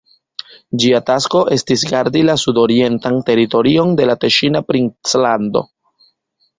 Ĝia tasko estis gardi la sudorientan teritorion de la Teŝina princlando.